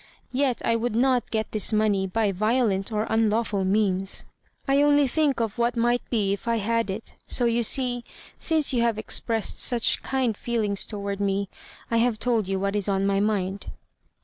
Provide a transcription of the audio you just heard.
Yet I would not get this money by violent or unlawful means; I only think of what might be if I had it. So you see, since you have expressed such kind feelings toward me, I have told you what is on my mind."